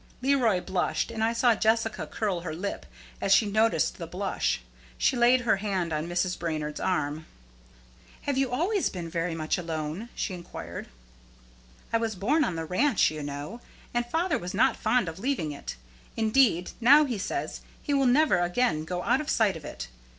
Leroy blushed, and I saw Jessica curl her lip as she noticed the blush. She laid her hand on Mrs. Brainard's arm. "Have you always been very much alone?" she inquired. "I was born on the ranch, you know; and father was not fond of leaving it. Indeed, now he says he will never again go out of sight of it.